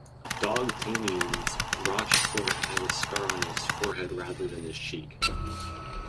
"Dogtanian"s Rochefort has a scar on his forehead rather than his cheek.